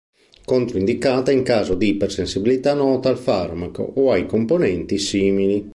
Controindicata in caso di ipersensibilità nota al farmaco o ai componenti simili.